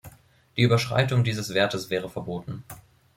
Die Überschreitung dieses Wertes wäre verboten.